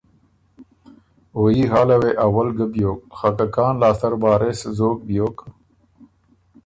او يي حاله وې اول ګۀ بیوک خه که کان لاسته ر وارث زوک بیوک